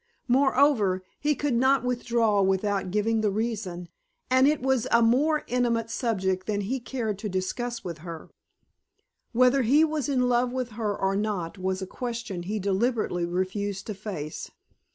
Moreover, he could not withdraw without giving the reason, and it was a more intimate subject than he cared to discuss with her. Whether he was in love with her or not was a question he deliberately refused to face.